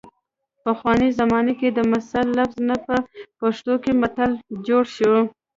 پخوانۍ زمانه کې د مثل لفظ نه په پښتو کې متل جوړ شوی